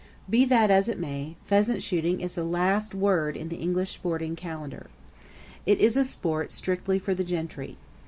Be that as it may, pheasant shooting is the last word in the English sporting calendar. It is a sport strictly for the gentry.